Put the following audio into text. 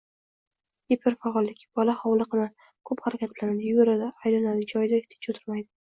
Giperfaollik: bola hovliqma, ko‘p harakatlanadi – yuguradi, aylanadi, joyida tinch o‘tirmaydi